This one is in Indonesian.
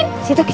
masal dan andin